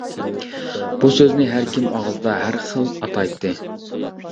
بۇ سۆزنى ھەر كىم ئاغزىدا ھەر خىل ئاتايتتى!